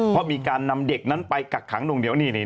เพราะมีการนำเด็กนั้นไปกักขังนวงเหนียวนี่